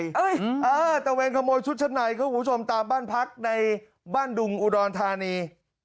เอ้ยอืมอ่าตระเวนขโมยชุดชั้นในเค้าขอชมตามบ้านพักในบ้านดุงอุดรธานี